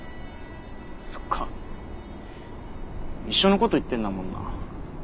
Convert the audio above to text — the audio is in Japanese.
そっか一緒のこと言ってんだもんな。